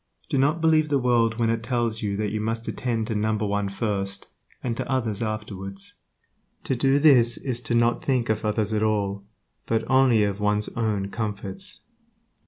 Do not believe the world when it tells you that you must always attend to "number one" first, and to others afterwards. To do this is not to think of others at all, but only of one's own comforts.